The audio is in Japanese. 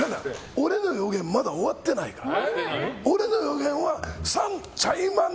俺の予言まだ終わってないから。